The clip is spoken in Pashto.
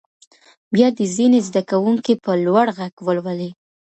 بیا دې ځینې زده کوونکي په لوړ غږ ولولي.